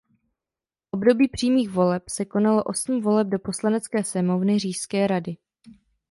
V období přímých voleb se konalo osm voleb do Poslanecké sněmovny Říšské rady.